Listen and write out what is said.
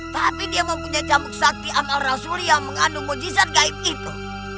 tapi dia mempunyai camuk sakti amal rasul yang mengandung mujizat gaib itu